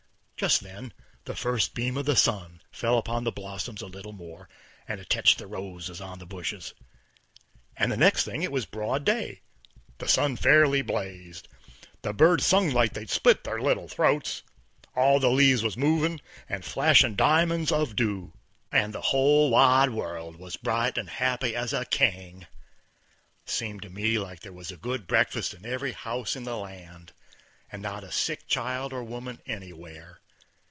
Just then the first beam of the sun fell upon the blossoms a leetle more, and it techt the roses on the bushes, and the next thing it was broad day; the sun fairly blazed, the birds sung like they'd split their little throats; all the leaves was movin', and flashin' diamonds of dew, and the whole wide world was bright and happy as a king. Seemed to me like there was a good breakfast in every house in the land, and not a sick child or woman anywhere.